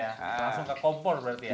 langsung ke kompor berarti ya